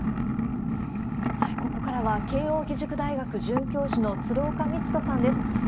ここからは、慶應義塾大学准教授の鶴岡路人さんです。